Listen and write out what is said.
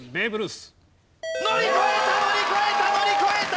乗り越えた乗り越えた乗り越えた！